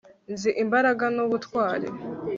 nzi imbaraga n'ubutwari